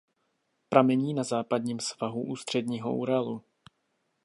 Pramení na západním svahu Středního Uralu.